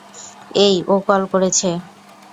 এই, ও কল করেছে!